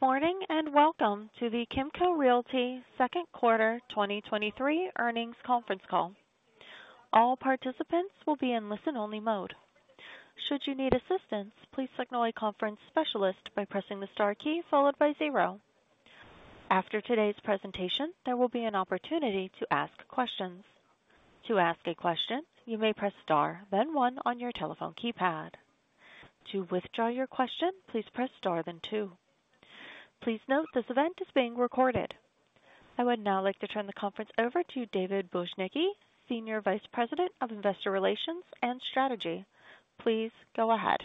Good morning, and welcome to the Kimco Realty Second Quarter 2023 Earnings Conference Call. All participants will be in listen-only mode. Should you need assistance, please signal a conference specialist by pressing the star key followed by zero. After today's presentation, there will be an opportunity to ask questions. To ask a question, you may press Star, then one on your telephone keypad. To withdraw your question, please press Star, then two. Please note, this event is being recorded. I would now like to turn the conference over to David Bujnicki, Senior Vice President of Investor Relations and Strategy. Please go ahead.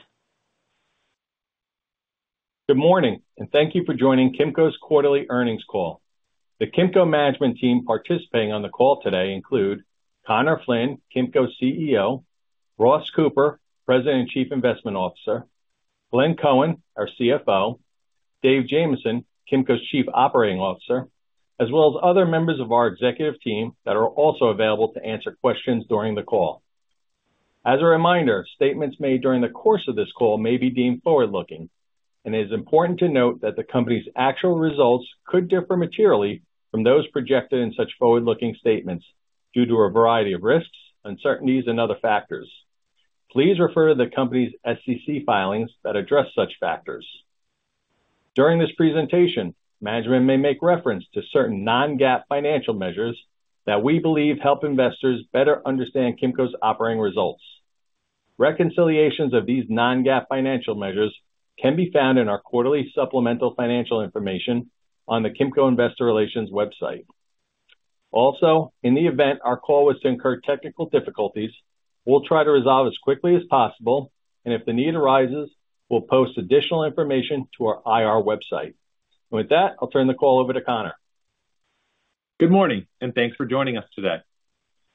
Good morning, and thank you for joining Kimco's quarterly earnings call. The Kimco management team participating on the call today include Conor Flynn, Kimco's CEO, Ross Cooper, President and Chief Investment Officer, Glenn Cohen, our CFO, Dave Jamieson, Kimco's Chief Operating Officer, as well as other members of our executive team that are also available to answer questions during the call. As a reminder, statements made during the course of this call may be deemed forward-looking, and it is important to note that the company's actual results could differ materially from those projected in such forward-looking statements due to a variety of risks, uncertainties, and other factors. Please refer to the company's SEC filings that address such factors. During this presentation, management may make reference to certain non-GAAP financial measures that we believe help investors better understand Kimco's operating results. Reconciliations of these non-GAAP financial measures can be found in our quarterly supplemental financial information on the Kimco Investor Relations website. Also, in the event our call was to incur technical difficulties, we'll try to resolve as quickly as possible, and if the need arises, we'll post additional information to our IR website. With that, I'll turn the call over to Conor. Good morning, and thanks for joining us today.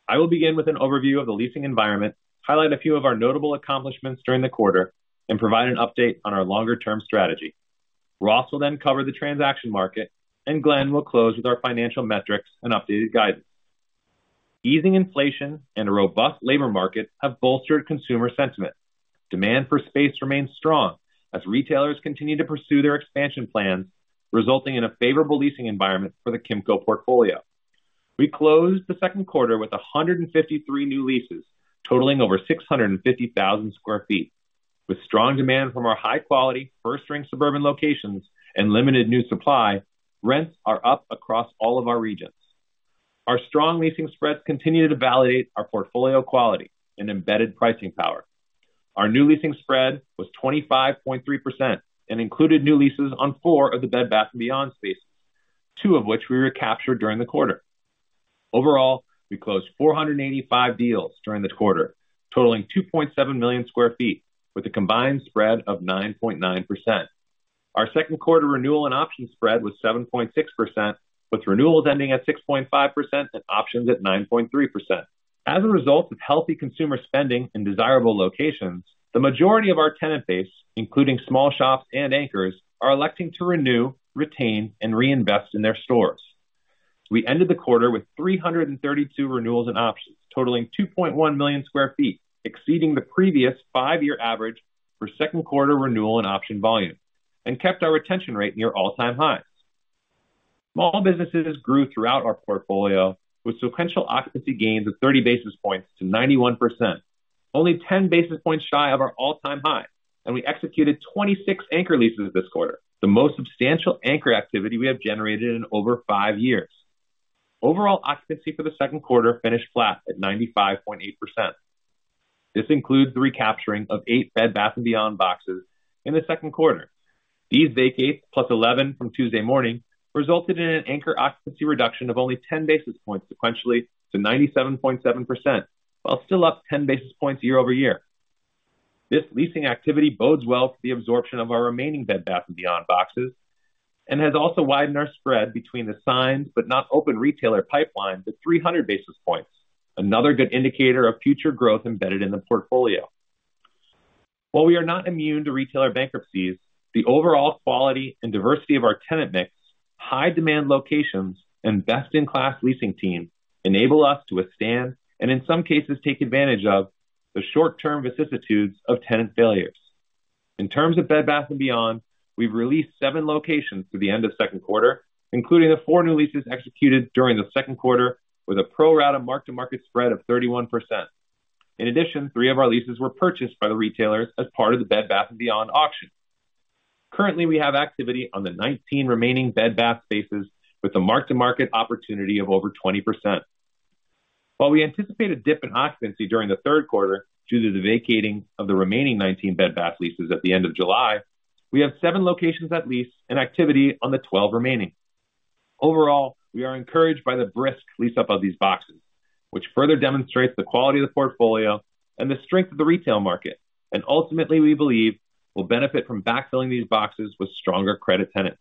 I will begin with an overview of the leasing environment, highlight a few of our notable accomplishments during the quarter, and provide an update on our longer-term strategy. Ross will then cover the transaction market, Glenn will close with our financial metrics and updated guidance. Easing inflation and a robust labor market have bolstered consumer sentiment. Demand for space remains strong as retailers continue to pursue their expansion plans, resulting in a favorable leasing environment for the Kimco portfolio. We closed the second quarter with 153 new leases, totaling over 650,000 sq ft. With strong demand from our high-quality, first-ring suburban locations and limited new supply, rents are up across all of our regions. Our strong leasing spreads continue to validate our portfolio quality and embedded pricing power. Our new leasing spread was 25.3% and included new leases on four of the Bed Bath & Beyond spaces, two of which we recaptured during the quarter. We closed 485 deals during the quarter, totaling 2.7 million sq ft with a combined spread of 9.9%. Our second quarter renewal and option spread was 7.6%, with renewals ending at 6.5% and options at 9.3%. As a result of healthy consumer spending in desirable locations, the majority of our tenant base, including small shops and anchors, are electing to renew, retain, and reinvest in their stores. We ended the quarter with 332 renewals and options, totaling 2.1 million square feet, exceeding the previous five-year average for second quarter renewal and option volume, kept our retention rate near all-time highs. Small businesses grew throughout our portfolio, with sequential occupancy gains of 30 basis points to 91%, only 10 basis points shy of our all-time high, we executed 26 anchor leases this quarter, the most substantial anchor activity we have generated in over five years. Overall occupancy for the second quarter finished flat at 95.8%. This includes the recapturing of 8 Bed, Bath & Beyond boxes in the second quarter. These vacates, plus 11 from Tuesday Morning, resulted in an anchor occupancy reduction of only 10 basis points sequentially to 97.7%, while still up 10 basis points year-over-year. This leasing activity bodes well for the absorption of our remaining Bed Bath & Beyond boxes and has also widened our spread between the signed but not open retailer pipeline to 300 basis points, another good indicator of future growth embedded in the portfolio. While we are not immune to retailer bankruptcies, the overall quality and diversity of our tenant mix, high demand locations, and best-in-class leasing team enable us to withstand, and in some cases, take advantage of the short-term vicissitudes of tenant failures. In terms of Bed Bath & Beyond, we've released locations through the end of second quarter, including the 4 new leases executed during the second quarter, with a pro-rata mark-to-market spread of 31%. In addition, three of our leases were purchased by the retailers as part of the Bed Bath & Beyond auction. Currently, we have activity on the 19 remaining Bed, Bath spaces with a mark-to-market opportunity of over 20%. While we anticipate a dip in occupancy during the third quarter due to the vacating of the remaining 19 Bed, Bath leases at the end of July, we have seven locations at lease and activity on the 12 remaining. Overall, we are encouraged by the brisk lease up of these boxes, which further demonstrates the quality of the portfolio and the strength of the retail market, and ultimately, we believe will benefit from backfilling these boxes with stronger credit tenants.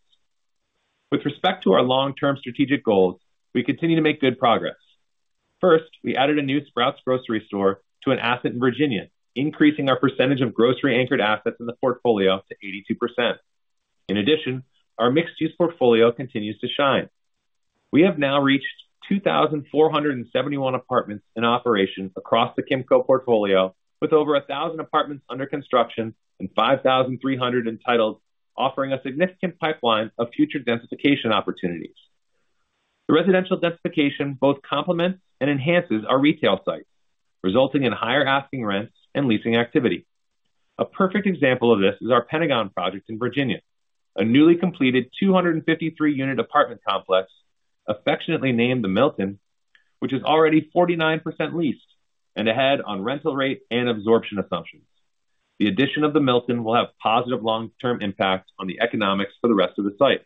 With respect to our long-term strategic goals, we continue to make good progress. First, we added a new Sprouts grocery store to an asset in Virginia, increasing our percentage of grocery-anchored assets in the portfolio to 82%. Our mixed-use portfolio continues to shine. We have now reached 2,471 apartments in operation across the Kimco portfolio, with over 1,000 apartments under construction and 5,300 entitled, offering a significant pipeline of future densification opportunities. The residential densification both complements and enhances our retail sites, resulting in higher asking rents and leasing activity. A perfect example of this is our Pentagon project in Virginia, a newly completed 253 unit apartment complex, affectionately named The Milton, which is already 49% leased and ahead on rental rate and absorption assumptions. The addition of The Milton will have positive long-term impact on the economics for the rest of the site.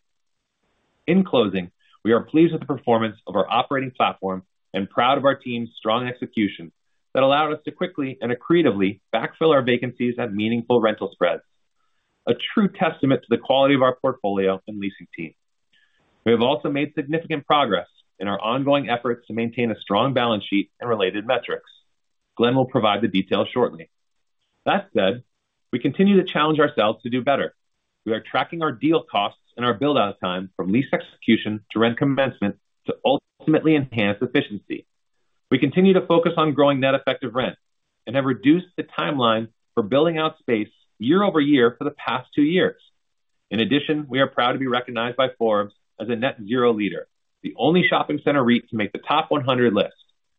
In closing, we are pleased with the performance of our operating platform and proud of our team's strong execution that allowed us to quickly and accretively backfill our vacancies at meaningful rental spreads. A true testament to the quality of our portfolio and leasing team. We have also made significant progress in our ongoing efforts to maintain a strong balance sheet and related metrics. Glenn will provide the details shortly. That said, we continue to challenge ourselves to do better. We are tracking our deal costs and our build-out time from lease execution to rent commencement to ultimately enhance efficiency. We continue to focus on growing net effective rent and have reduced the timeline for building out space year-over-year for the past two years. In addition, we are proud to be recognized by Forbes as a net zero leader, the only shopping center REIT to make the top 100 list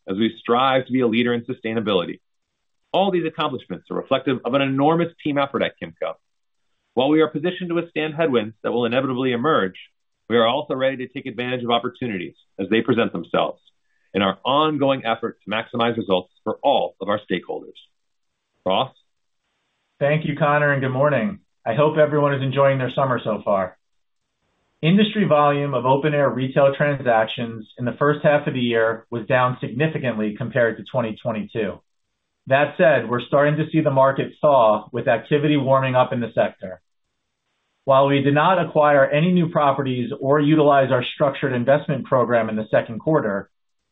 as we strive to be a leader in sustainability. All these accomplishments are reflective of an enormous team effort at Kimco. While we are positioned to withstand headwinds that will inevitably emerge, we are also ready to take advantage of opportunities as they present themselves in our ongoing effort to maximize results for all of our stakeholders. Ross? Thank you, Conor. Good morning. I hope everyone is enjoying their summer so far. Industry volume of open-air retail transactions in the first half of the year was down significantly compared to 2022. That said, we're starting to see the market thaw with activity warming up in the sector. While we did not acquire any new properties or utilize our structured investment program in the second quarter,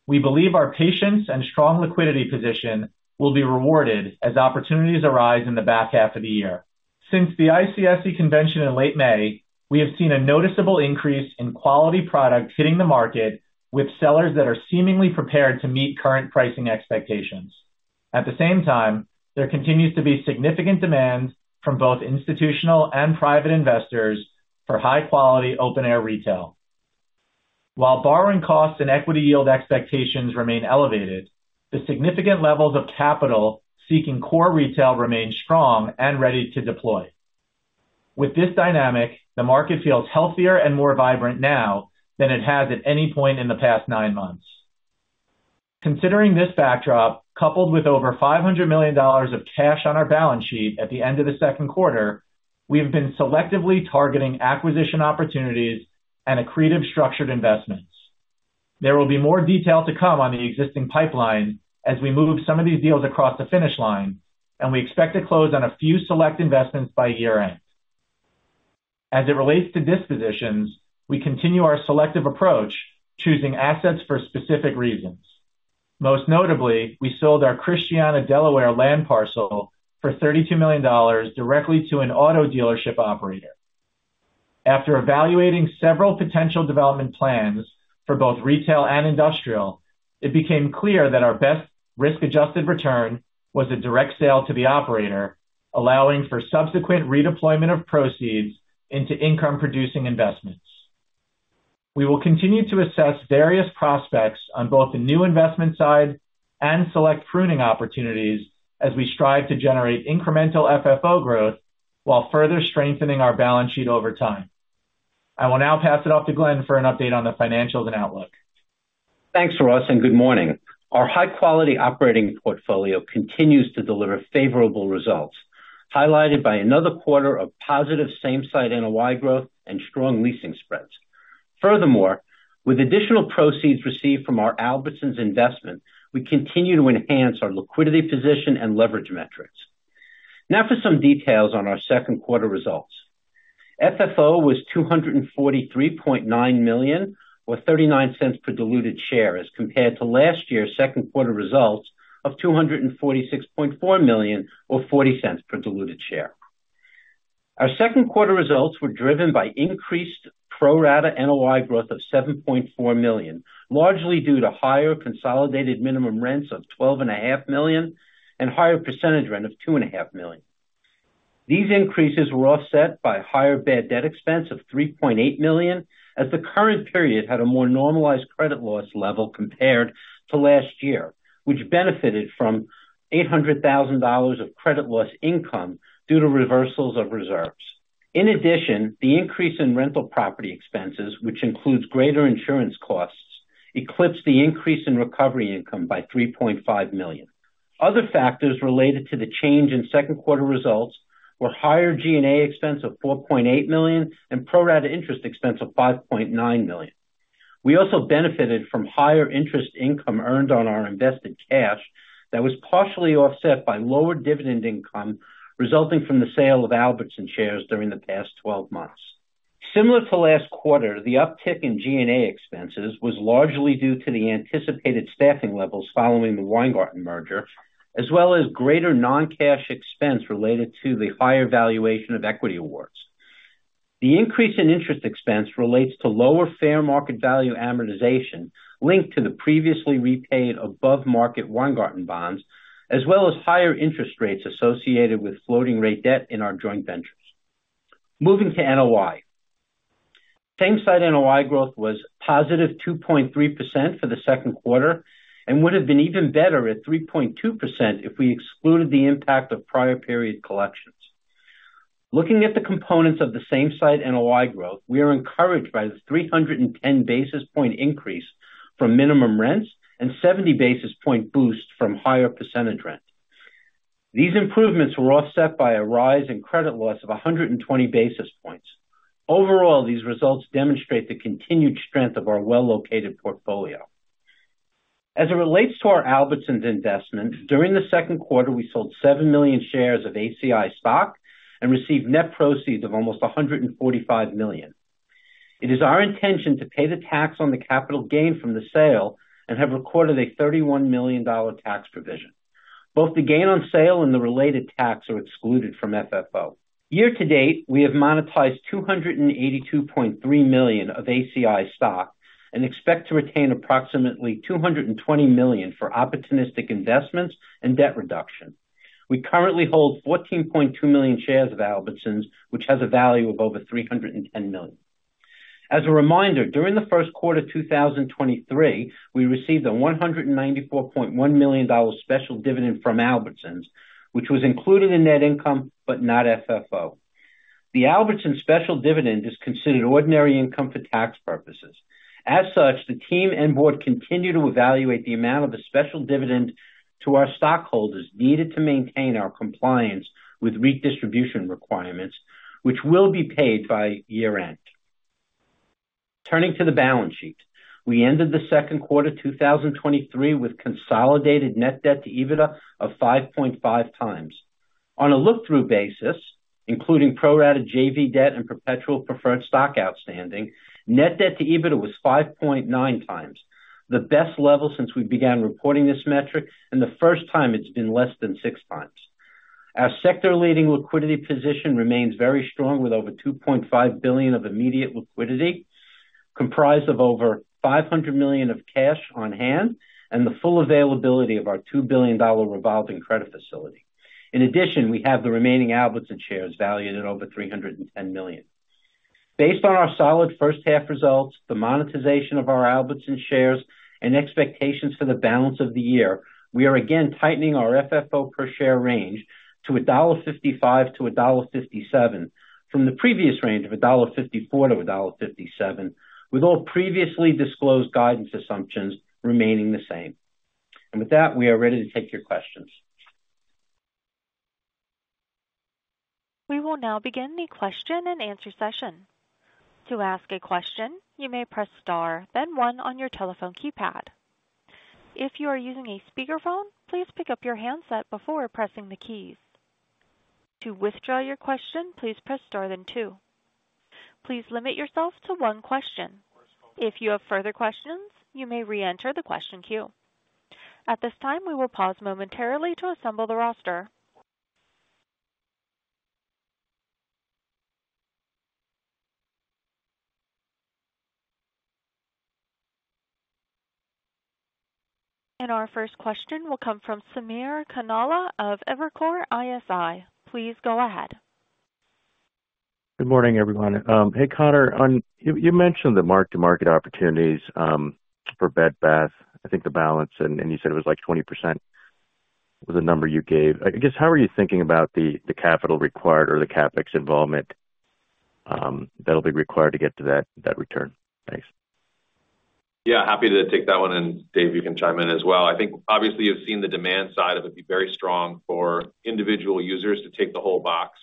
we believe our patience and strong liquidity position will be rewarded as opportunities arise in the back half of the year. Since the ICSC convention in late May, we have seen a noticeable increase in quality product hitting the market, with sellers that are seemingly prepared to meet current pricing expectations. At the same time, there continues to be significant demand from both institutional and private investors for high-quality open-air retail. While borrowing costs and equity yield expectations remain elevated, the significant levels of capital seeking core retail remain strong and ready to deploy. With this dynamic, the market feels healthier and more vibrant now than it has at any point in the past nine months. Considering this backdrop, coupled with over $500 million of cash on our balance sheet at the end of the second quarter, we have been selectively targeting acquisition opportunities and accretive structured investments. There will be more detail to come on the existing pipeline as we move some of these deals across the finish line, and we expect to close on a few select investments by year-end. As it relates to dispositions, we continue our selective approach, choosing assets for specific reasons. Most notably, we sold our Christiana Delaware land parcel for $32 million directly to an auto dealership operator. After evaluating several potential development plans for both retail and industrial, it became clear that our best risk-adjusted return was a direct sale to the operator, allowing for subsequent redeployment of proceeds into income-producing investments. We will continue to assess various prospects on both the new investment side and select pruning opportunities as we strive to generate incremental FFO growth while further strengthening our balance sheet over time. I will now pass it off to Glenn for an update on the financials and outlook. Thanks, Ross, and good morning. Our high-quality operating portfolio continues to deliver favorable results, highlighted by another quarter of positive Same-Site NOI growth and strong leasing spreads. Furthermore, with additional proceeds received from our Albertsons investment, we continue to enhance our liquidity position and leverage metrics. Now for some details on our second quarter results. FFO was $243.9 million, or $0.39 per diluted share, as compared to last year's second quarter results of $246.4 million, or $0.40 per diluted share. Our second quarter results were driven by increased pro rata NOI growth of $7.4 million, largely due to higher consolidated minimum rents of twelve and a half million and higher percentage rent of two and a half million. These increases were offset by higher bad debt expense of $3.8 million, as the current period had a more normalized credit loss level compared to last year, which benefited from $800,000 of credit loss income due to reversals of reserves. In addition, the increase in rental property expenses, which includes greater insurance costs, eclipsed the increase in recovery income by $3.5 million. Other factors related to the change in second quarter results were higher G&A expense of $4.8 million and pro rata interest expense of $5.9 million. We also benefited from higher interest income earned on our invested cash that was partially offset by lower dividend income resulting from the sale of Albertsons shares during the past 12 months. Similar to last quarter, the uptick in G&A expenses was largely due to the anticipated staffing levels following the Weingarten merger, as well as greater non-cash expense related to the higher valuation of equity awards. The increase in interest expense relates to lower fair market value amortization linked to the previously repaid above-market Weingarten bonds, as well as higher interest rates associated with floating rate debt in our joint ventures. Moving to NOI. Same-Site NOI growth was positive 2.3% for the second quarter, and would have been even better at 3.2% if we excluded the impact of prior period collections. Looking at the components of the Same-Site NOI growth, we are encouraged by the 310 basis point increase from minimum rents and 70 basis point boost from higher percentage rent. These improvements were offset by a rise in credit loss of 120 basis points. These results demonstrate the continued strength of our well-located portfolio. As it relates to our Albertsons investment, during the second quarter, we sold seven million shares of ACI stock and received net proceeds of almost $145 million. It is our intention to pay the tax on the capital gain from the sale and have recorded a $31 million tax provision. Both the gain on sale and the related tax are excluded from FFO. Year to date, we have monetized $282.3 million of ACI stock and expect to retain approximately $220 million for opportunistic investments and debt reduction. We currently hold 14.2 million shares of Albertsons, which has a value of over $310 million. As a reminder, during the first quarter of 2023, we received a $194.1 million special dividend from Albertson's, which was included in net income, but not FFO. The Albertson's special dividend is considered ordinary income for tax purposes. As such, the team and board continue to evaluate the amount of the special dividend to our stockholders needed to maintain our compliance with redistribution requirements, which will be paid by year-end. Turning to the balance sheet. We ended the second quarter 2023 with consolidated Net Debt to EBITDA of 5.5 times. On a look-through basis, including pro rata JV debt and perpetual preferred stock outstanding, Net Debt to EBITDA was 5.9 times, the best level since we began reporting this metric, and the first time it's been less than 6 times. Our sector-leading liquidity position remains very strong, with over $2.5 billion of immediate liquidity, comprised of over $500 million of cash on hand and the full availability of our $2 billion dollar revolving credit facility. In addition, we have the remaining Albertsons shares valued at over $310 million. Based on our solid first half results, the monetization of our Albertsons shares and expectations for the balance of the year, we are again tightening our FFO per share range to $1.55-$1.57 from the previous range of $1.54-$1.57, with all previously disclosed guidance assumptions remaining the same. With that, we are ready to take your questions. We will now begin the question-and-answer session. To ask a question, you may press star, then one on your telephone keypad. If you are using a speakerphone, please pick up your handset before pressing the keys. To withdraw your question, please press star than two. Please limit yourselves to one question. If you have further questions, you may reenter the question queue. At this time, we will pause momentarily to assemble the roster. Our first question will come from Samir Khanal of Evercore ISI. Please go ahead. Good morning, everyone. Hey, Conor Flynn. You mentioned the mark-to-market opportunities for Bed Bath & Beyond. I think the balance, and you said it was, like, 20% was the number you gave. I guess, how are you thinking about the capital required or the CapEx involvement that'll be required to get to that return? Thanks. Yeah, happy to take that one. Dave, you can chime in as well. I think obviously you've seen the demand side of it be very strong for individual users to take the whole box,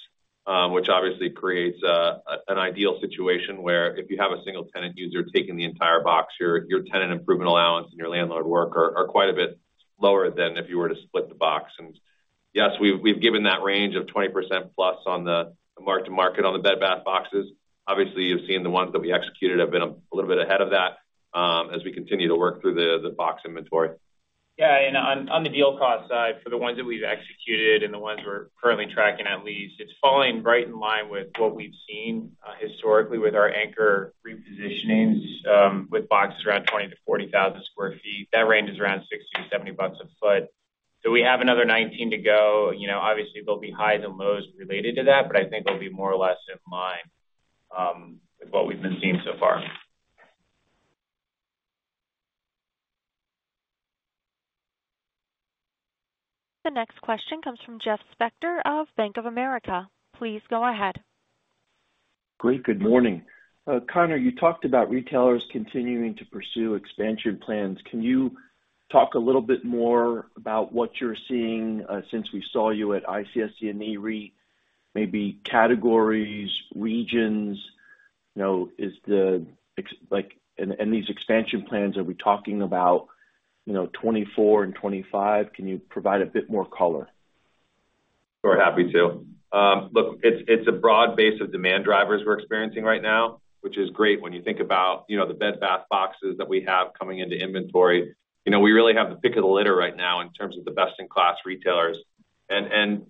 which obviously creates a, an ideal situation where if you have a single tenant user taking the entire box, your, your tenant improvement allowance and your landlord work are, are quite a bit lower than if you were to split the box. Yes, we've, we've given that range of 20%+ on the mark-to-market on the Bed Bath boxes. Obviously, you've seen the ones that we executed have been a, a little bit ahead of that, as we continue to work through the, the box inventory. On the deal cost side, for the ones that we've executed and the ones we're currently tracking at lease, it's falling right in line with what we've seen historically with our anchor repositionings, with boxes around 20,000-40,000 sq ft. That range is around $60-$70 a foot. We have another 19 to go. You know, obviously, there'll be highs and lows related to that, but I think they'll be more or less in line with what we've been seeing so far. The next question comes from Jeff Spector of Bank of America. Please go ahead. Great. Good morning. Conor, you talked about retailers continuing to pursue expansion plans. Can you talk a little bit more about what you're seeing since we saw you at ICSC and Nareit, maybe categories, regions? You know, is the like... These expansion plans, are we talking about, you know, 2024 and 2025? Can you provide a bit more color? Sure. Happy to. Look, it's, it's a broad base of demand drivers we're experiencing right now, which is great when you think about, you know, the Bed Bath boxes that we have coming into inventory. You know, we really have the pick of the litter right now in terms of the best-in-class retailers.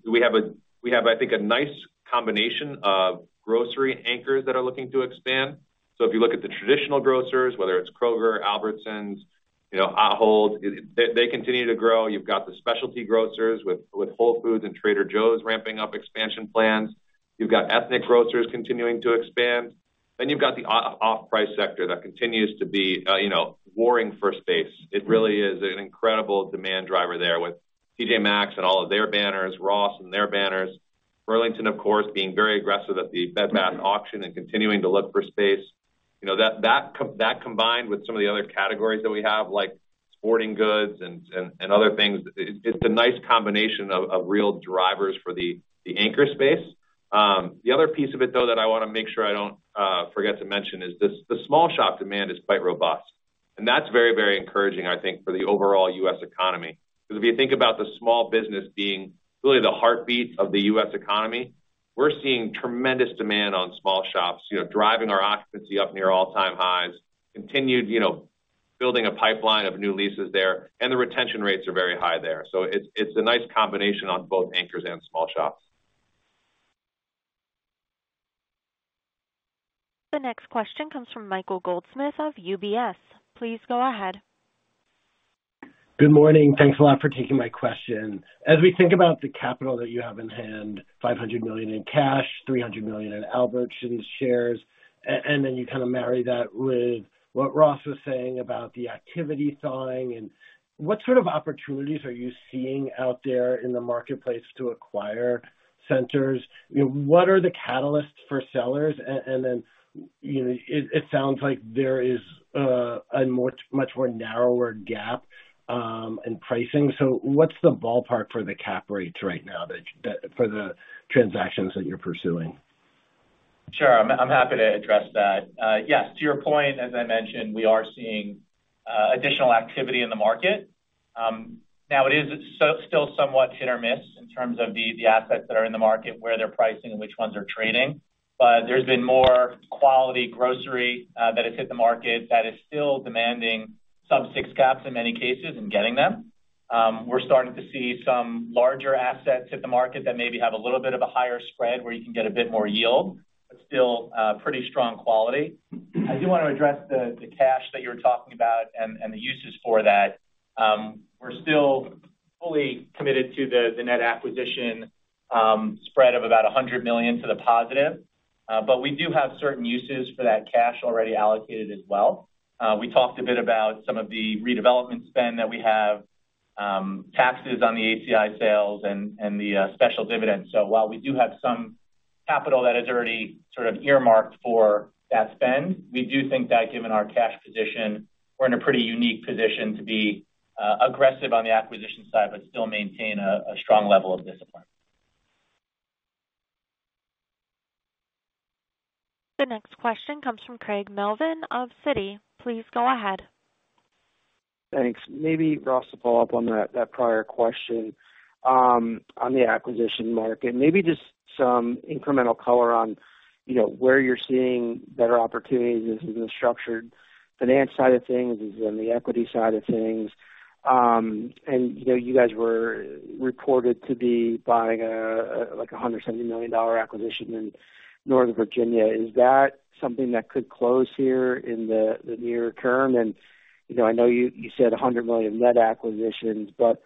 We have, I think, a nice combination of grocery anchors that are looking to expand. If you look at the traditional grocers, whether it's Kroger, Albertsons, you know, Ahold, they continue to grow. You've got the specialty grocers with Whole Foods and Trader Joe's ramping up expansion plans. You've got ethnic grocers continuing to expand. You've got the off-price sector that continues to be, you know, warring for space. It really is an incredible demand driver there with TJ Maxx and all of their banners, Ross and their banners. Burlington, of course, being very aggressive at the Bed Bath auction and continuing to look for space. You know, that combined with some of the other categories that we have, like sporting goods and other things, it, it's a nice combination of, of real drivers for the, the anchor space. The other piece of it, though, that I wanna make sure I don't forget to mention, is this, the small shop demand is quite robust, and that's very, very encouraging, I think, for the overall U.S. economy. If you think about the small business being really the heartbeat of the U.S. economy, we're seeing tremendous demand on small shops, you know, driving our occupancy up near all-time highs, continued, you know, building a pipeline of new leases there, and the retention rates are very high there. It's, it's a nice combination on both anchors and small shops. The next question comes from Michael Goldsmith of UBS. Please go ahead. Good morning. Thanks a lot for taking my question. As we think about the capital that you have in hand, $500 million in cash, $300 million in Albertsons shares, and then you kind of marry that with what Ross was saying about the activity thawing, and what sort of opportunities are you seeing out there in the marketplace to acquire centers? You know, what are the catalysts for sellers? And then, you know, it sounds like there is a much, much more narrower gap in pricing. What's the ballpark for the cap rates right now that for the transactions that you're pursuing? Sure. I'm happy to address that. Yes, to your point, as I mentioned, we are seeing additional activity in the market. Now, it is still somewhat hit or miss in terms of the assets that are in the market, where they're pricing and which ones are trading. There's been more quality grocery that has hit the market that is still demanding sub 6 caps in many cases and getting them. We're starting to see some larger assets hit the market that maybe have a little bit of a higher spread, where you can get a bit more yield, but still, pretty strong quality. I do wanna address the cash that you were talking about and the uses for that. We're still fully committed to the, the net acquisition, spread of about $100 million to the positive. We do have certain uses for that cash already allocated as well. We talked a bit about some of the redevelopment spend that we have, taxes on the ACI sales and, and the special dividend. While we do have some capital that is already sort of earmarked for that spend, we do think that given our cash position, we're in a pretty unique position to be aggressive on the acquisition side, but still maintain a strong level of discipline. The next question comes from Craig Mailman of Citigroup. Please go ahead. Thanks. Maybe, Ross, to follow up on that, that prior question, on the acquisition market, maybe just some incremental color on, you know, where you're seeing better opportunities in the structured finance side of things and the equity side of things. You know, you guys were reported to be buying a, like, a $170 million acquisition in Northern Virginia. Is that something that could close here in the, the near term? You know, I know you, you said $100 million net acquisitions, but,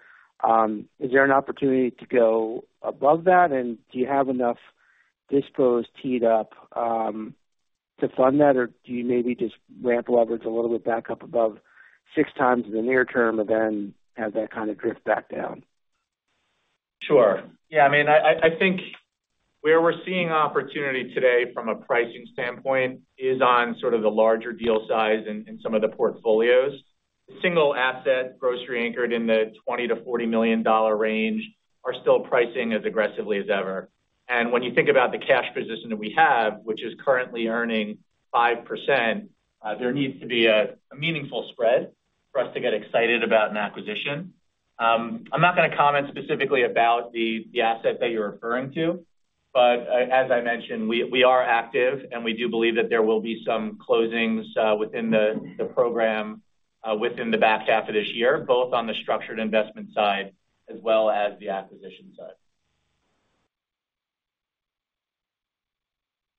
is there an opportunity to go above that, and do you have enough dispos teed up, to fund that? Do you maybe just ramp leverage a little bit back up above six times in the near term and then have that kind of drift back down? Sure. Yeah, I mean, I, I, I think where we're seeing opportunity today from a pricing standpoint is on sort of the larger deal size in, in some of the portfolios. Single asset, grocery anchored in the $20 million-$40 million range, are still pricing as aggressively as ever. When you think about the cash position that we have, which is currently earning 5%, there needs to be a meaningful spread for us to get excited about an acquisition. I'm not gonna comment specifically about the asset that you're referring to, as I mentioned, we are active, and we do believe that there will be some closings within the program within the back half of this year, both on the structured investment side as well as the acquisition side.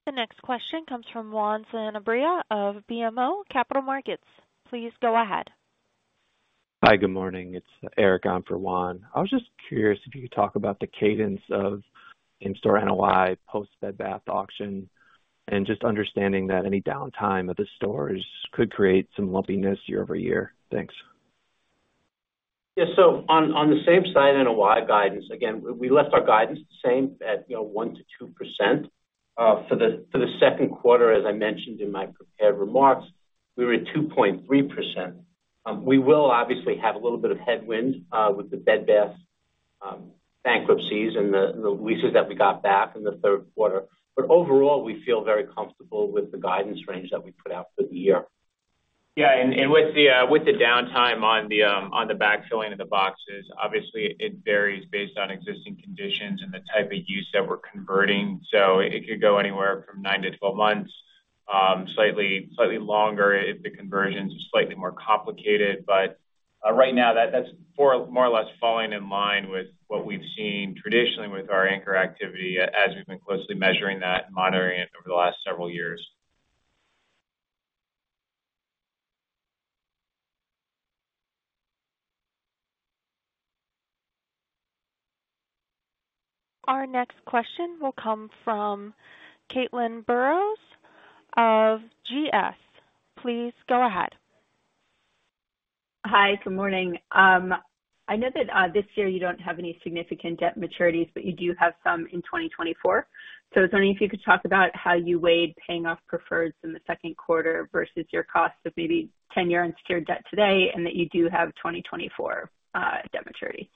The next question comes from Juan Sanabria of BMO Capital Markets. Please go ahead. Hi, good morning. It's Eric on for Juan. I was just curious if you could talk about the cadence of in-store NOI post Bed Bath auction, just understanding that any downtime of the stores could create some lumpiness year-over-year. Thanks. On the same side, NOI guidance, again, we left our guidance the same at, you know, 1%-2%. For the second quarter, as I mentioned in my prepared remarks, we were at 2.3%. We will obviously have a little bit of headwind with the Bed Bath bankruptcies and the leases that we got back in the third quarter. Overall, we feel very comfortable with the guidance range that we put out for the year. Yeah, with the downtime on the backfilling of the boxes, obviously it varies based on existing conditions and the type of use that we're converting, it could go anywhere from 9-12 months.... slightly longer if the conversions are slightly more complicated. Right now, that's more or less falling in line with what we've seen traditionally with our anchor activity, as we've been closely measuring that and monitoring it over the last several years. Our next question will come from Caitlin Burrows of Goldman Sachs. Please go ahead. Hi, good morning. I know that this year you don't have any significant debt maturities, but you do have some in 2024. I was wondering if you could talk about how you weighed paying off preferreds in the second quarter versus your cost of maybe 10-year unsecured debt today, and that you do have 2024 debt maturity?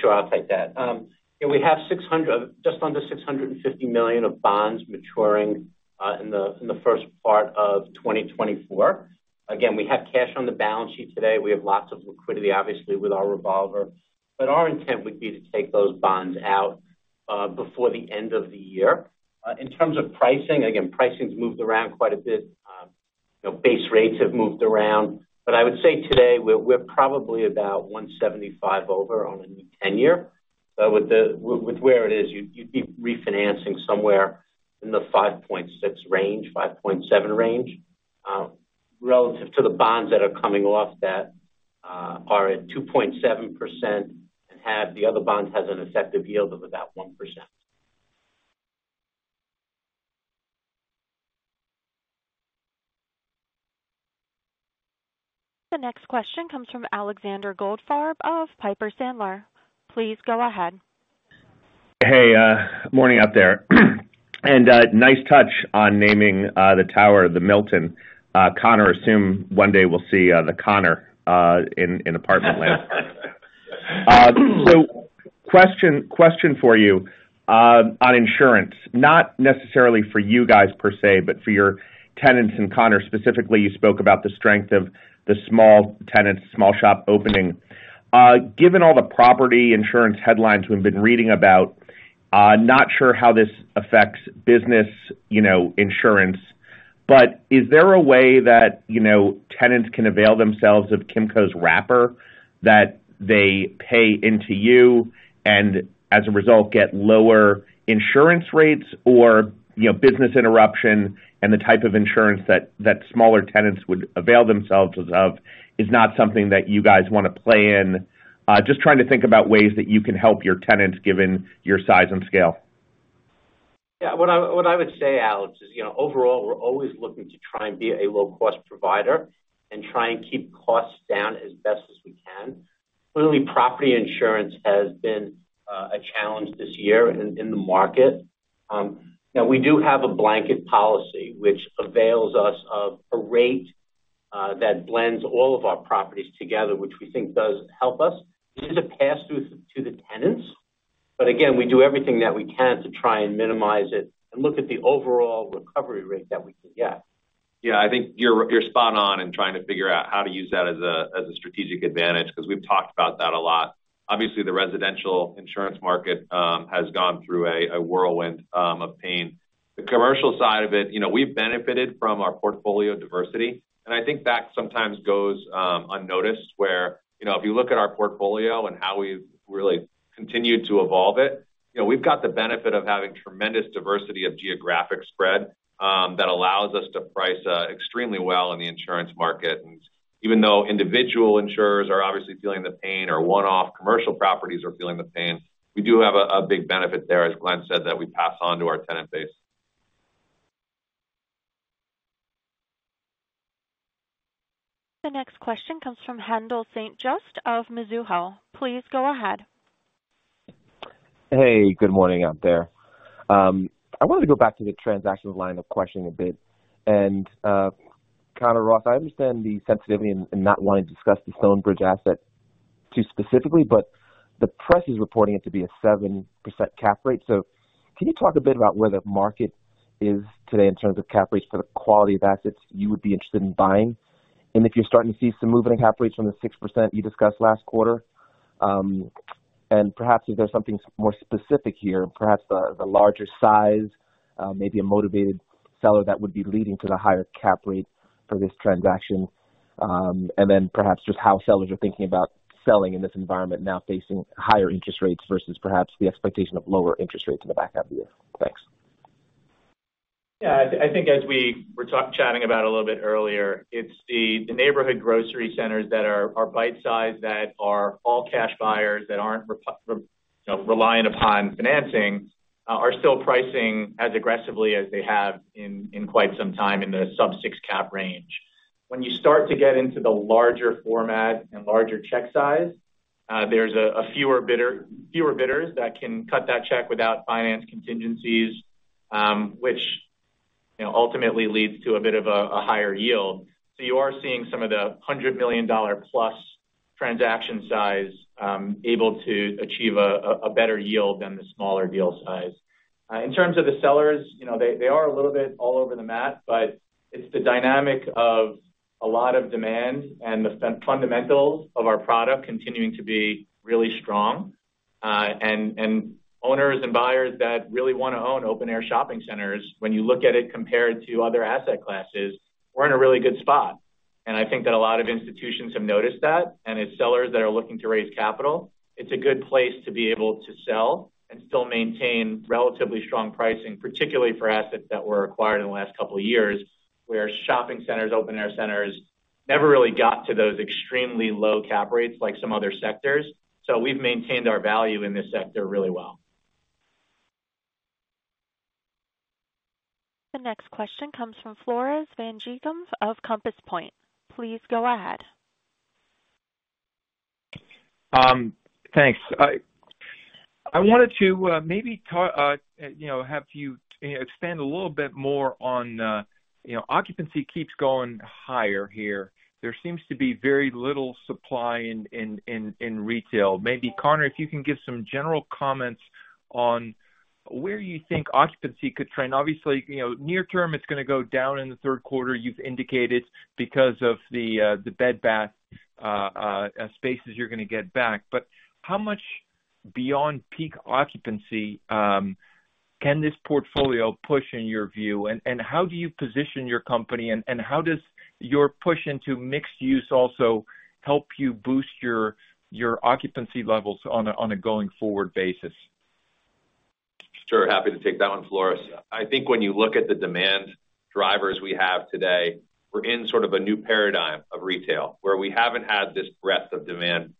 Sure, I'll take that. Yeah, we have just under $650 million of bonds maturing in the first part of 2024. We have cash on the balance sheet today. We have lots of liquidity, obviously, with our revolver. Our intent would be to take those bonds out before the end of the year. In terms of pricing, again, pricing's moved around quite a bit. You know, base rates have moved around. I would say today, we're probably about 175 over on a new 10-year. With where it is, you'd be refinancing somewhere in the 5.6 range, 5.7 range, relative to the bonds that are coming off that are at 2.7%, and have... the other bond has an effective yield of about 1%. The next question comes from Alexander Goldfarb of Piper Sandler. Please go ahead. Hey, morning out there. Nice touch on naming the tower, The Milton. Conor, I assume one day we'll see The Conor in apartment land. Question, question for you on insurance, not necessarily for you guys per se, but for your tenants. Conor, specifically, you spoke about the strength of the small tenants, small shop opening. Given all the property insurance headlines we've been reading about, not sure how this affects business, you know, insurance. Is there a way that, you know, tenants can avail themselves of Kimco's wrapper, that they pay into you and as a result, get lower insurance rates or, you know, business interruption and the type of insurance that smaller tenants would avail themselves of, is not something that you guys want to play in? Just trying to think about ways that you can help your tenants, given your size and scale. Yeah, what I would say, Alex, is, you know, overall, we're always looking to try and be a low-cost provider and try and keep costs down as best as we can. Clearly, property insurance has been a challenge this year in the market. Now we do have a blanket policy, which avails us of a rate that blends all of our properties together, which we think does help us. This is a pass-through to the tenants, but again, we do everything that we can to try and minimize it and look at the overall recovery rate that we can get. Yeah, I think you're, you're spot on in trying to figure out how to use that as a, as a strategic advantage, because we've talked about that a lot. Obviously, the residential insurance market has gone through a whirlwind of pain. The commercial side of it, you know, we've benefited from our portfolio diversity, and I think that sometimes goes unnoticed, where, you know, if you look at our portfolio and how we've really continued to evolve it, you know, we've got the benefit of having tremendous diversity of geographic spread that allows us to price extremely well in the insurance market. Even though individual insurers are obviously feeling the pain or one-off commercial properties are feeling the pain, we do have a big benefit there, as Glenn said, that we pass on to our tenant base. The next question comes from Haendel St. Juste of Mizuho. Please go ahead. Hey, good morning out there. I wanted to go back to the transactions line of questioning a bit. Conor Ross, I understand the sensitivity in, in not wanting to discuss the Stonebridge asset too specifically, but the press is reporting it to be a 7% cap rate. Can you talk a bit about where the market is today in terms of cap rates for the quality of assets you would be interested in buying? If you're starting to see some movement in cap rates from the 6% you discussed last quarter. Perhaps if there's something more specific here, perhaps the larger size, maybe a motivated seller that would be leading to the higher cap rate for this transaction. Perhaps just how sellers are thinking about selling in this environment now facing higher interest rates versus perhaps the expectation of lower interest rates in the back half of the year. Thanks. I, I think as we were chatting about a little bit earlier, it's the neighborhood grocery centers that are bite-sized, that are all-cash buyers, that aren't you know, reliant upon financing, are still pricing as aggressively as they have in quite some time in the sub-6 cap range. When you start to get into the larger format and larger check size, there's a fewer bidders that can cut that check without finance contingencies, which, you know, ultimately leads to a bit of a higher yield. You are seeing some of the $100 million plus transaction size able to achieve a better yield than the smaller deal size. In terms of the sellers, you know, they are a little bit all over the map, but it's the dynamic of a lot of demand and the fundamentals of our product continuing to be really strong.... and owners and buyers that really want to own open-air shopping centers, when you look at it compared to other asset classes, we're in a really good spot. I think that a lot of institutions have noticed that, and as sellers that are looking to raise capital, it's a good place to be able to sell and still maintain relatively strong pricing, particularly for assets that were acquired in the last couple of years, where shopping centers, open-air centers, never really got to those extremely low cap rates like some other sectors. We've maintained our value in this sector really well. The next question comes from Floris van Dijkum of Compass Point. Please go ahead. Thanks. I wanted to maybe talk, you know, have you, you know, expand a little bit more on, you know, occupancy keeps going higher here. There seems to be very little supply in retail. Maybe, Conor, if you can give some general comments on where you think occupancy could trend. Obviously, you know, near term, it's going to go down in the third quarter, you've indicated, because of the Bed Bath spaces you're going to get back. How much beyond peak occupancy, can this portfolio push, in your view? And how do you position your company, and how does your push into mixed use also help you boost your occupancy levels on a going-forward basis? Sure, happy to take that one, Floris. I think when you look at the demand drivers we have today, we're in sort of a new paradigm of retail, where we haven't had this breadth of demand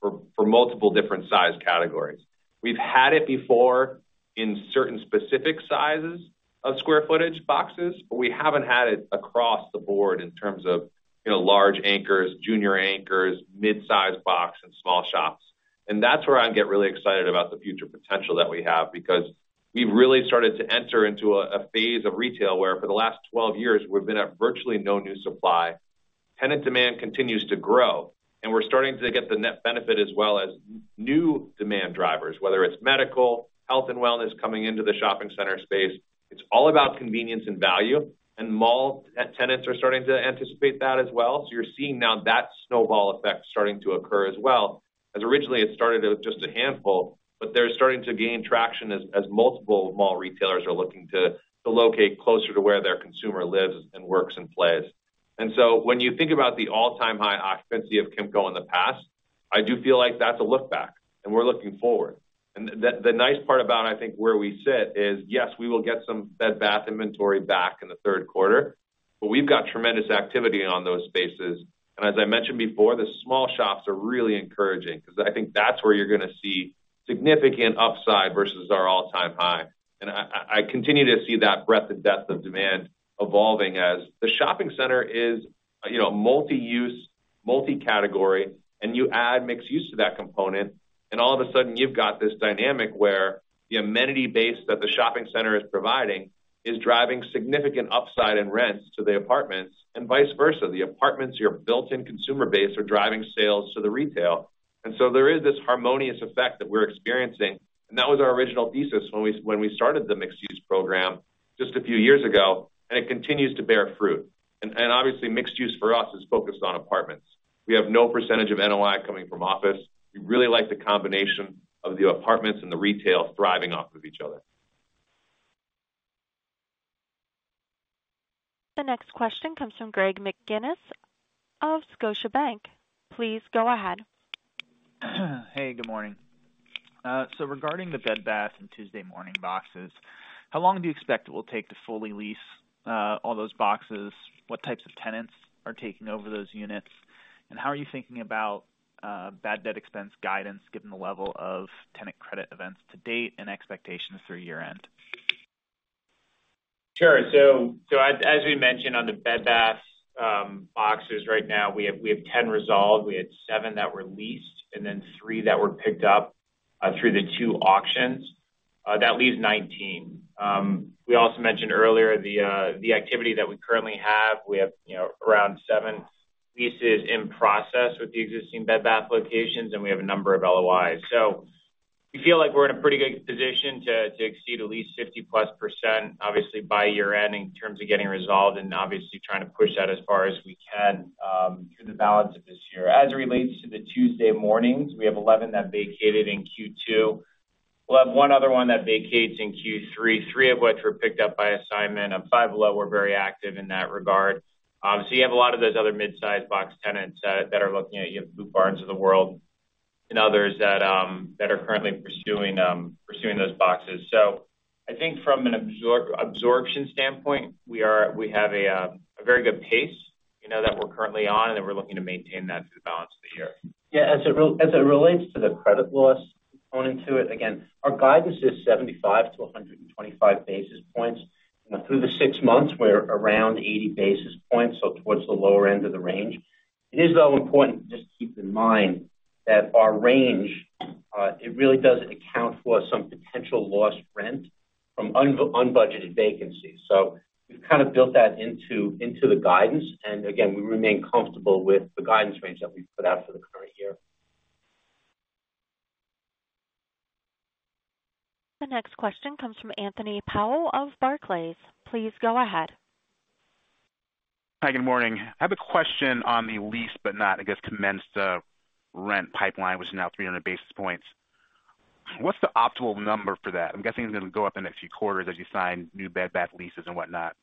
for multiple different size categories. We've had it before in certain specific sizes of square footage boxes, but we haven't had it across the board in terms of, you know, large anchors, junior anchors, mid-size box, and small shops. And that's where I get really excited about the future potential that we have, because we've really started to enter into a phase of retail where for the last 12 years, we've been at virtually no new supply. Tenant demand continues to grow, and we're starting to get the net benefit as well as new demand drivers, whether it's medical, health and wellness coming into the shopping center space. It's all about convenience and value, mall tenants are starting to anticipate that as well. You're seeing now that snowball effect starting to occur as well, as originally it started with just a handful, but they're starting to gain traction as multiple mall retailers are looking to locate closer to where their consumer lives and works and plays. When you think about the all-time high occupancy of Kimco in the past, I do feel like that's a look back, and we're looking forward. The nice part about, I think, where we sit is, yes, we will get some Bed Bath inventory back in the third quarter, but we've got tremendous activity on those spaces. As I mentioned before, the small shops are really encouraging because I think that's where you're going to see significant upside versus our all-time high. I continue to see that breadth and depth of demand evolving as the shopping center is, you know, multi-use, multi-category, and you add mixed use to that component, and all of a sudden you've got this dynamic where the amenity base that the shopping center is providing is driving significant upside in rents to the apartments and vice versa. The apartments, your built-in consumer base, are driving sales to the retail. There is this harmonious effect that we're experiencing, and that was our original thesis when we started the mixed use program just a few years ago, and it continues to bear fruit. Obviously, mixed use for us is focused on apartments. We have no percentage of NOI coming from office. We really like the combination of the apartments and the retail thriving off of each other. The next question comes from Greg McGinniss of Scotiabank. Please go ahead. Hey, good morning. Regarding the Bed Bath and Tuesday Morning boxes, how long do you expect it will take to fully lease, all those boxes? What types of tenants are taking over those units? How are you thinking about, bad debt expense guidance, given the level of tenant credit events to date and expectations through year-end? Sure. As we mentioned on the Bed Bath boxes, right now, we have 10 resolved. We had seven that were leased and then three that were picked up through the two auctions. That leaves 19. We also mentioned earlier the activity that we currently have. We have, you know, around seven leases in process with the existing Bed Bath locations, and we have a number of LOIs. We feel like we're in a pretty good position to exceed at least 50%+, obviously, by year-end in terms of getting resolved and obviously trying to push that as far as we can through the balance of this year. As it relates to the Tuesday Morning, we have 11 that vacated in Q2. We'll have one other one that vacates in Q3, three of which were picked up by assignment. Five Below were very active in that regard. You have a lot of those other mid-size box tenants that are looking at your Boot Barn of the world and others that are currently pursuing those boxes. I think from an absorption standpoint, we have a very good pace, you know, that we're currently on, and we're looking to maintain that through the balance of the year. Yeah, as it relates to the credit loss component to it, again, our guidance is 75-125 basis points. Through the six months, we're around 80 basis points, so towards the lower end of the range. It is, though, important just to keep in mind that our range, it really does account for some potential lost rent from unbudgeted vacancies. We've kind of built that into the guidance. Again, we remain comfortable with the guidance range that we've put out for the current year. The next question comes from Anthony Powell of Barclays. Please go ahead. Hi, good morning. I have a question on the lease, but not, I guess, commenced rent pipeline, which is now 300 basis points. What's the optimal number for that? I'm guessing it's going to go up in the next few quarters as you sign new Bed Bath leases and whatnot.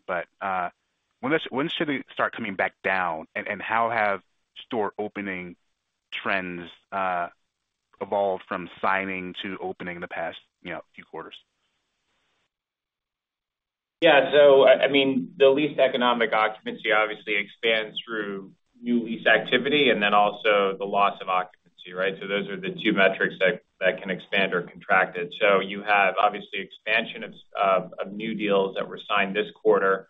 When should they start coming back down, and how have store opening trends evolved from signing to opening in the past, you know, few quarters? Yeah. I mean, the lease economic occupancy obviously expands through new lease activity and then also the loss of occupancy, right? Those are the two metrics that can expand or contract it. You have obviously expansion of new deals that were signed this quarter,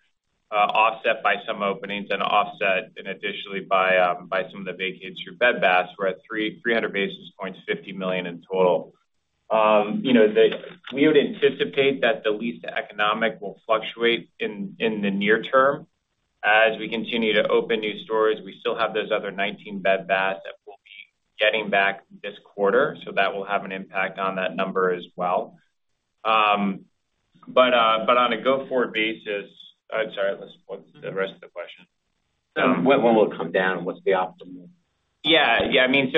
offset by some openings and additionally by some of the vacates your Bed Bath. We're at 300 basis points, $50 million in total. You know, We would anticipate that the lease to economic will fluctuate in the near term as we continue to open new stores. We still have those other 19 Bed Bath that we'll be getting back this quarter, so that will have an impact on that number as well. But on a go-forward basis, sorry, what's the rest of the question? When will it come down, and what's the optimal? Yeah. Yeah, I mean,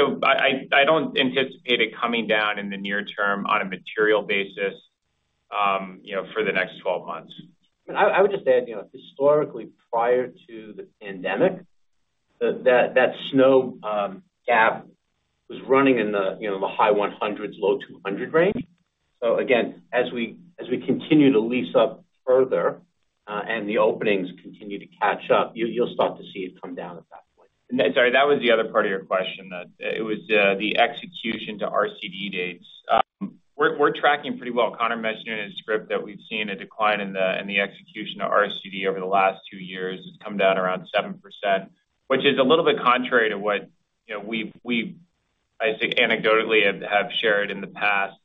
I don't anticipate it coming down in the near term on a material basis, you know, for the next 12 months. I would just add, you know, historically, prior to the pandemic, that snow gap was running in the, you know, the high 100s, low 200 range. Again, as we continue to lease up further, and the openings continue to catch up, you'll start to see it come down at that point. Sorry, that was the other part of your question, that it was, the execution to RCD dates. We're tracking pretty well. Conor mentioned in his script that we've seen a decline in the execution of RCD over the last two years. It's come down around 7%, which is a little bit contrary to what, you know, we've, I think, anecdotally shared in the past,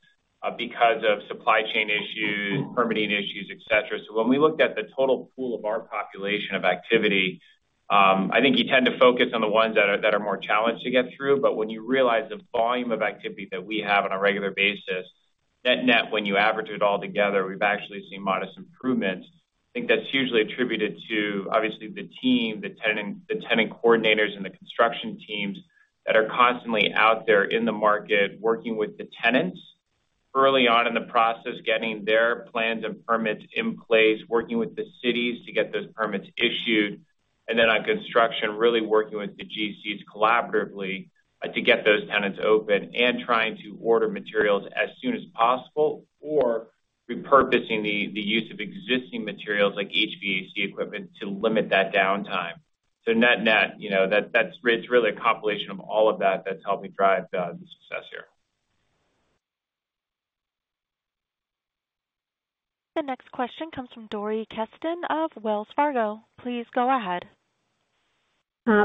because of supply chain issues, permitting issues, et cetera. When we looked at the total pool of our population of activity, I think you tend to focus on the ones that are more challenged to get through. When you realize the volume of activity that we have on a regular basis, net-net, when you average it all together, we've actually seen modest improvements. I think that's hugely attributed to, obviously, the team, the tenant, the tenant coordinators, and the construction teams that are constantly out there in the market, working with the tenants early on in the process, getting their plans and permits in place, working with the cities to get those permits issued. On construction, really working with the GCs collaboratively to get those tenants open, and trying to order materials as soon as possible, or repurposing the, the use of existing materials like HVAC equipment to limit that downtime. Net-net, you know, that's, it's really a compilation of all of that that's helping drive the success here. The next question comes from Dori Kesten of Wells Fargo. Please go ahead.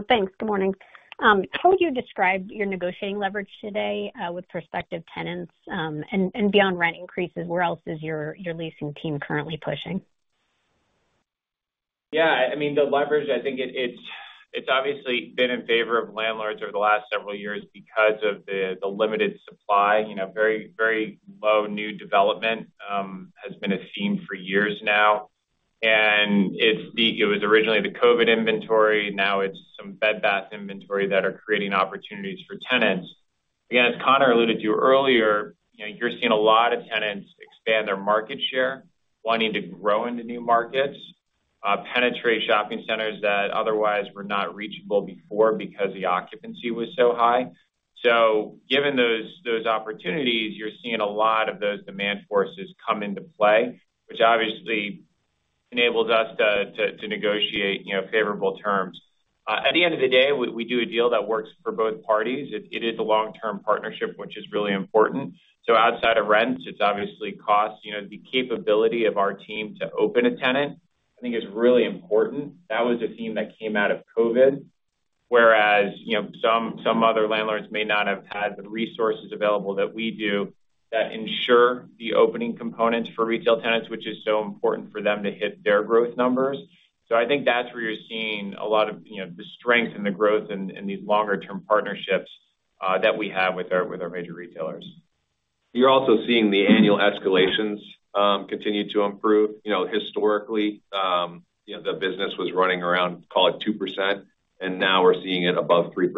Thanks. Good morning. How would you describe your negotiating leverage today with prospective tenants? Beyond rent increases, where else is your leasing team currently pushing? Yeah, I mean, the leverage, I think it's obviously been in favor of landlords over the last several years because of the limited supply. You know, very low new development has been a theme for years now, it was originally the COVID inventory, now it's some Bed Bath inventory that are creating opportunities for tenants. Again, as Conor alluded to earlier, you know, you're seeing a lot of tenants expand their market share, wanting to grow into new markets, penetrate shopping centers that otherwise were not reachable before because the occupancy was so high. Given those opportunities, you're seeing a lot of those demand forces come into play, which obviously enables us to negotiate, you know, favorable terms. At the end of the day, we do a deal that works for both parties. It is a long-term partnership, which is really important. Outside of rents, it's obviously cost. You know, the capability of our team to open a tenant, I think, is really important. That was a theme that came out of COVID, whereas, you know, some other landlords may not have had the resources available that we do that ensure the opening components for retail tenants, which is so important for them to hit their growth numbers. I think that's where you're seeing a lot of, you know, the strength and the growth and these longer term partnerships that we have with our major retailers. You're also seeing the annual escalations, continue to improve. You know, historically, you know, the business was running around, call it 2%, and now we're seeing it above 3%,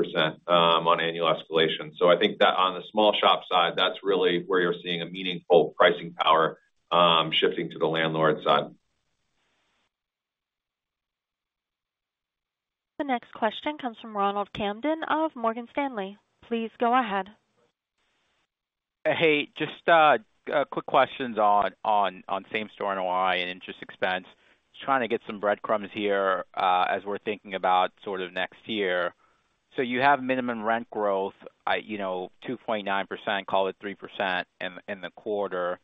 on annual escalation. I think that on the small shop side, that's really where you're seeing a meaningful pricing power, shifting to the landlord side. The next question comes from Ronald Kamdem of Morgan Stanley. Please go ahead. Hey, just a quick questions on Same-Site NOI and interest expense. Just trying to get some breadcrumbs here, as we're thinking about sort of next year. You have minimum rent growth at, you know, 2.9%, call it 3%, in the quarter.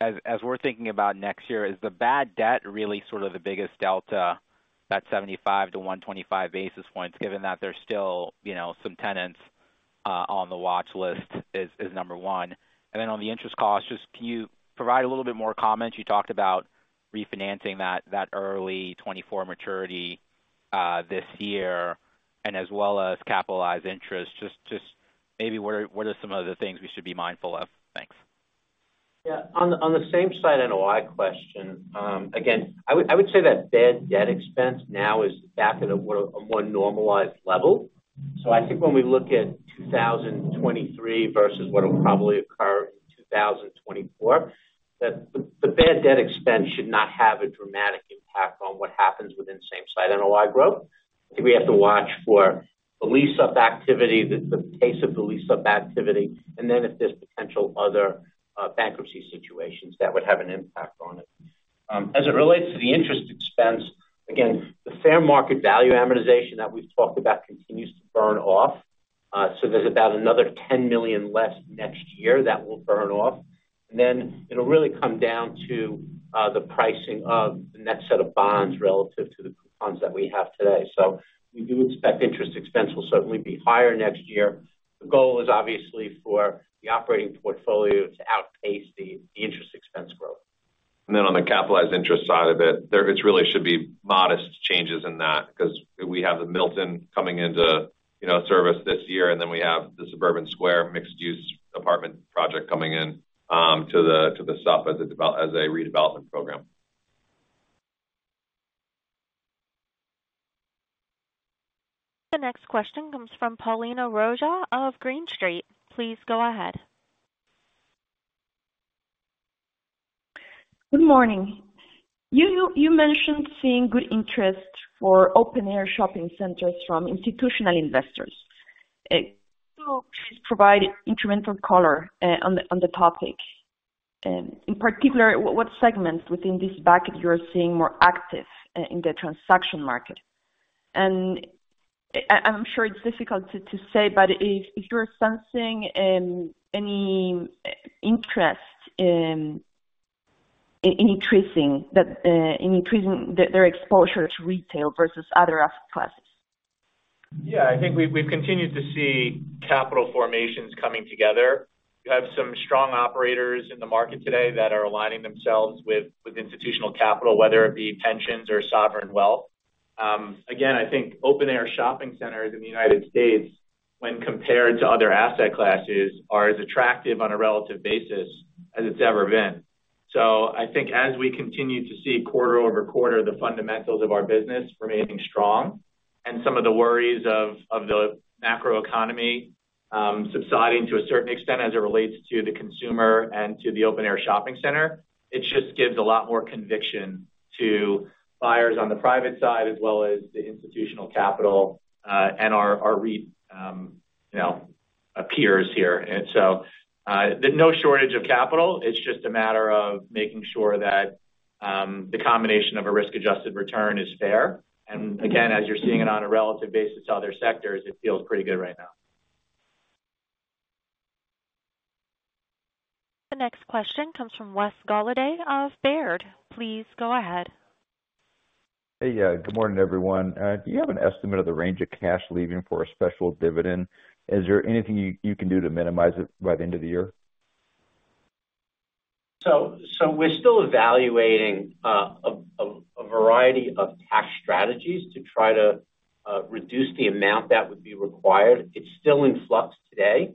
As we're thinking about next year, is the bad debt really sort of the biggest delta, that 75-125 basis points, given that there's still, you know, some tenants on the watch list, is number 1? Then on the interest cost, just can you provide a little bit more comment? You talked about refinancing that early 2024 maturity.... this year and as well as capitalized interest, just maybe what are some of the things we should be mindful of? Thanks. On the Same-Site NOI question, again, I would say that bad debt expense now is back at a more normalized level. I think when we look at 2023 versus what will probably occur in 2024, that the bad debt expense should not have a dramatic impact on what happens within Same-Site NOI growth. I think we have to watch for the lease-up activity, the pace of the lease-up activity, and then if there's potential other bankruptcy situations, that would have an impact on it. As it relates to the interest expense, again, the fair market value amortization that we've talked about continues to burn off. There's about another $10 million less next year that will burn off. It'll really come down to the pricing of the next set of bonds relative to the bonds that we have today. We do expect interest expense will certainly be higher next year. The goal is obviously for the operating portfolio to outpace the interest expense growth. Then on the capitalized interest side of it, there it's really should be modest changes in that, 'cause we have The Milton coming into, you know, service this year, and then we have the Suburban Square mixed-use apartment project coming in to the, to the south as a redevelopment program. The next question comes from Paulina Rojas of Green Street. Please go ahead. Good morning. You mentioned seeing good interest for open-air shopping centers from institutional investors. Could you please provide incremental color on the topic? In particular, what segments within this bucket you are seeing more active in the transaction market? I'm sure it's difficult to say, but if you're sensing any interest in increasing that in increasing their exposure to retail versus other asset classes. Yeah, I think we've continued to see capital formations coming together. We have some strong operators in the market today that are aligning themselves with institutional capital, whether it be pensions or sovereign wealth. Again, I think open-air shopping centers in the United States, when compared to other asset classes, are as attractive on a relative basis as it's ever been. I think as we continue to see quarter-over-quarter, the fundamentals of our business remaining strong and some of the worries of the macroeconomy subsiding to a certain extent as it relates to the consumer and to the open-air shopping center, it just gives a lot more conviction to buyers on the private side, as well as the institutional capital and our, you know, peers here. There's no shortage of capital. It's just a matter of making sure that, the combination of a risk-adjusted return is fair. Again, as you're seeing it on a relative basis to other sectors, it feels pretty good right now. The next question comes from Wes Golladay of Baird. Please go ahead. Hey, yeah, good morning, everyone. Do you have an estimate of the range of cash leaving for a special dividend? Is there anything you can do to minimize it by the end of the year? We're still evaluating a variety of cash strategies to try to reduce the amount that would be required. It's still in flux today.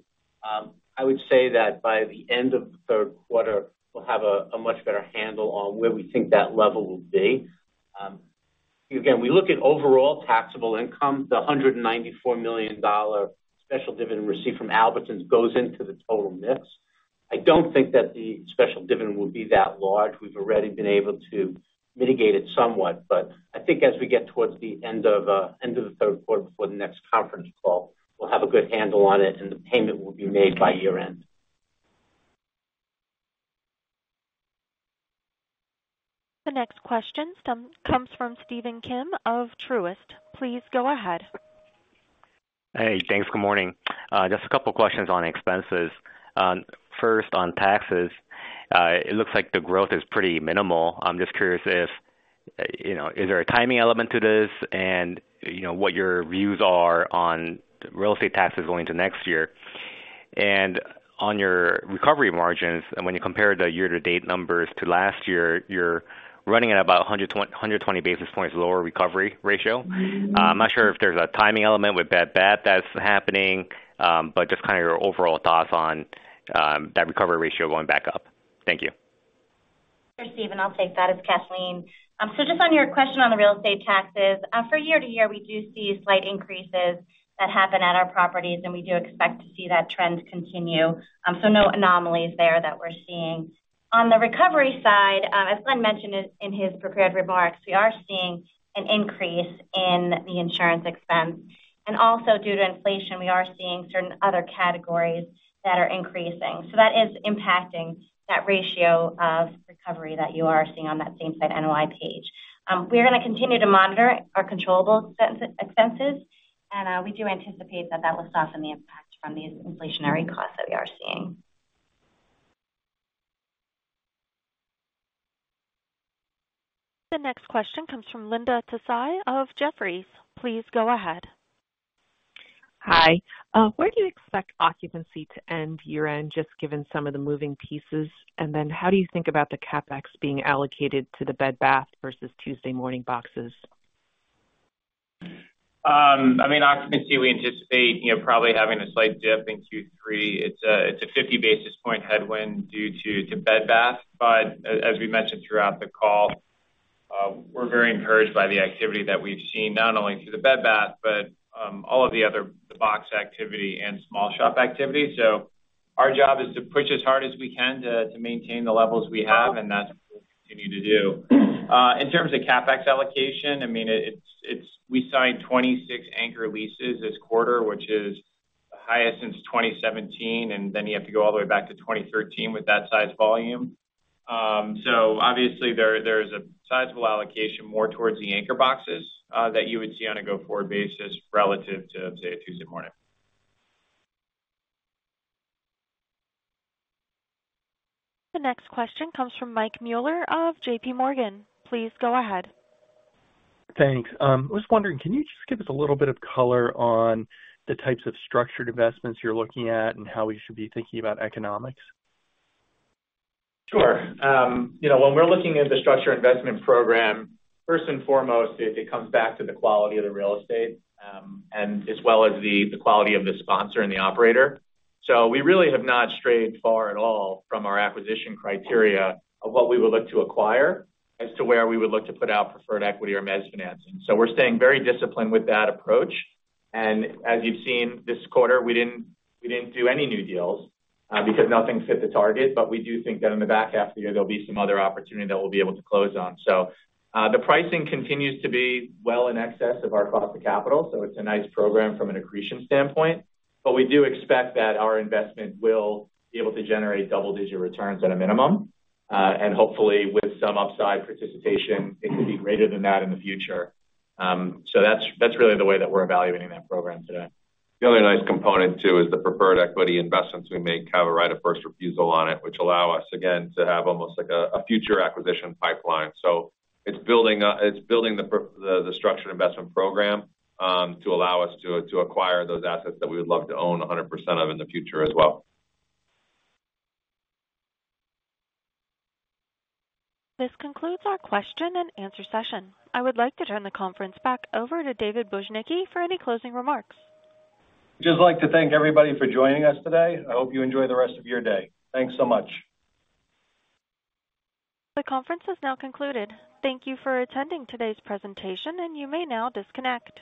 I would say that by the end of the third quarter, we'll have a much better handle on where we think that level will be. Again, we look at overall taxable income, the $194 million special dividend received from Albertsons goes into the total mix. I don't think that the special dividend will be that large. We've already been able to mitigate it somewhat, but I think as we get towards the end of the third quarter before the next conference call, we'll have a good handle on it, and the payment will be made by year-end. The next question comes from Stephen Kim of Truist. Please go ahead. Hey, thanks. Good morning. Just a couple questions on expenses. First, on taxes, it looks like the growth is pretty minimal. I'm just curious if, you know, is there a timing element to this? What your views are on real estate taxes going into next year. On your recovery margins, when you compare the year-to-date numbers to last year, you're running at about 120 basis points lower recovery ratio. I'm not sure if there's a timing element with bad debt that's happening, but just kind of your overall thoughts on that recovery ratio going back up. Thank you. Sure, Stephen, I'll take that. It's Kathleen. Just on your question on the real estate taxes, for year to year, we do see slight increases that happen at our properties, and we do expect to see that trend continue. No anomalies there that we're seeing. On the recovery side, as Glenn mentioned in his prepared remarks, we are seeing an increase in the insurance expense. Also due to inflation, we are seeing certain other categories that are increasing. That is impacting that ratio of recovery that you are seeing on that same side NOI page. We are going to continue to monitor our controllable expenses, and we do anticipate that that will soften the impact from the inflationary costs that we are seeing. The next question comes from Linda Tsai of Jefferies. Please go ahead. ... Hi. Where do you expect occupancy to end year-end, just given some of the moving pieces? How do you think about the CapEx being allocated to the Bed Bath versus Tuesday Morning boxes? I mean, occupancy, we anticipate, you know, probably having a slight dip in Q3. It's a 50 basis point headwind due to Bed Bath. As we mentioned throughout the call, we're very encouraged by the activity that we've seen, not only through the Bed Bath, but all of the other, the box activity and small shop activity. Our job is to push as hard as we can to maintain the levels we have, and that's what we'll continue to do. In terms of CapEx allocation, I mean, we signed 26 anchor leases this quarter, which is the highest since 2017, and then you have to go all the way back to 2013 with that size volume. Obviously, there's a sizable allocation more towards the anchor boxes that you would see on a go-forward basis relative to, say, a Tuesday Morning. The next question comes from Michael Mueller of JP Morgan. Please go ahead. Thanks. I was wondering, can you just give us a little bit of color on the types of structured investments you're looking at and how we should be thinking about economics? Sure. you know, when we're looking at the structured investment program, first and foremost, it comes back to the quality of the real estate, and as well as the quality of the sponsor and the operator. We really have not strayed far at all from our acquisition criteria of what we would look to acquire as to where we would look to put out preferred equity or mezz financing. We're staying very disciplined with that approach. As you've seen this quarter, we didn't do any new deals because nothing fit the target. We do think that in the back half of the year, there'll be some other opportunity that we'll be able to close on. The pricing continues to be well in excess of our cost of capital, so it's a nice program from an accretion standpoint, but we do expect that our investment will be able to generate double-digit returns at a minimum, and hopefully with some upside participation, it could be greater than that in the future. That's really the way that we're evaluating that program today. The other nice component, too, is the preferred equity investments we make have a right of first refusal on it, which allow us, again, to have almost like a future acquisition pipeline. It's building the structured investment program to allow us to acquire those assets that we would love to own 100% of in the future as well. This concludes our question and answer session. I would like to turn the conference back over to David Bujnicki for any closing remarks. Just like to thank everybody for joining us today. I hope you enjoy the rest of your day. Thanks so much. The conference is now concluded. Thank you for attending today's presentation, and you may now disconnect.